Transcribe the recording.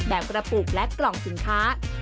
กระปุกและกล่องสินค้า